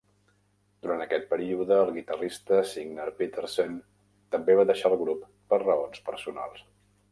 Durant aquest període, el guitarrista Signar Petersen també va deixar el grup per raons personals.